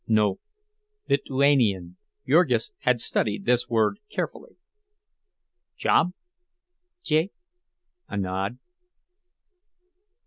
"No; Lit uanian." (Jurgis had studied this word carefully.) "Job?" "Je." (A nod.)